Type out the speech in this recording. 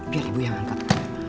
biar ibu yang angkat